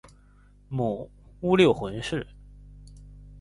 母乌六浑氏。